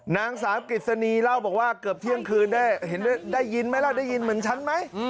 นางสาวกฤษณีเล่าบอกว่าเกือบเที่ยงคืนได้ยินไหมล่ะได้ยินเหมือนฉันไหม